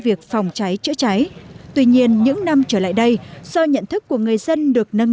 việc phòng cháy chữa cháy tuy nhiên những năm trở lại đây do nhận thức của người dân được nâng